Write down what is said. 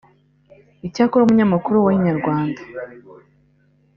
icyakora umunyamakuru wa Inyarwanda